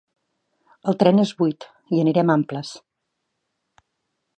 El tren és buit: hi anirem amples.